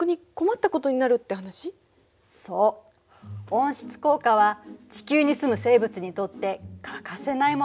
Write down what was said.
温室効果は地球に住む生物にとって欠かせないものなのよ。